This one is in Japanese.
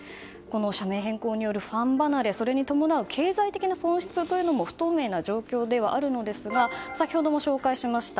社名変更によるファン離れそれに伴う経済的な損失も不透明な状況ではあるのですが先ほども紹介しました